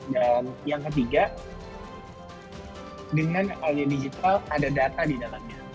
dan yang ketiga dengan adanya digital ada data di dalamnya